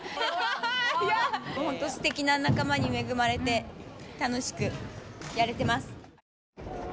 すてきな仲間に恵まれて楽しくやれてます。